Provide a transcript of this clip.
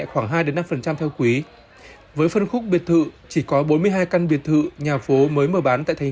khoảng hai năm theo quý với phân khúc biệt thự chỉ có bốn mươi hai căn biệt thự nhà phố mới mở bán tại thành